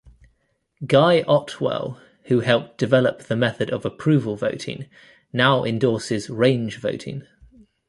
Guy Ottewell, who helped develop the method of approval voting, now endorses range voting.